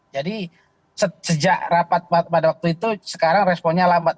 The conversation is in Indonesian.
jadi sejak rapat pada waktu itu sekarang responnya lambat